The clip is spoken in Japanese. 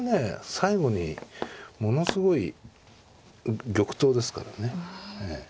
最後にものすごい玉頭ですからね。